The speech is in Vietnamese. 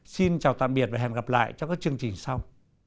xin chào tạm biệt và hẹn gặp lại trong các chương trình sau